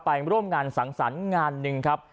ไปร่วมงานสังสรรค์งานหนึ่งครับ